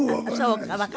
そうか。